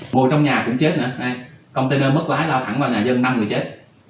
ngồi trong nhà cũng chết nữa container mất lái lao thẳng vào nhà dân năm người chết